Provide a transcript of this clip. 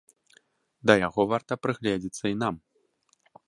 Да яго варта прыгледзецца і нам.